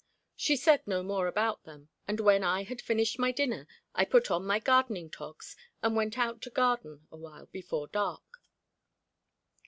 She said no more about them, and when I had finished my dinner I put on my gardening togs and went out to garden awhile before dark.